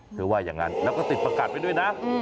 ว่าอย่างนั้นแล้วก็ติดประกาศไปด้วยนะ